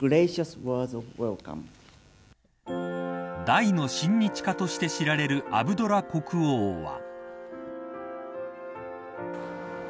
大の親日家として知られるアブドラ国王は。